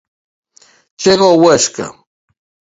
Chega o Huesca.